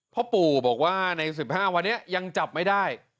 พ่อปู่บอกว่าใน๑๕วันนี้ยังจับไม่ได้